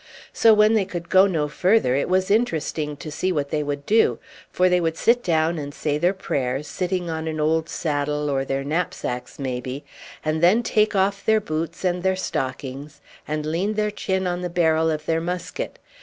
So when they could go no further, it was interesting to see what they would do; for they would sit down and say their prayers, sitting on an old saddle, or their knapsacks, maybe, and then take off their boots and their stockings, and lean their chin on the barrel of their musket.